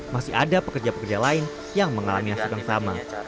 masih ada pekerja pekerja lain yang mengalami hasil yang sama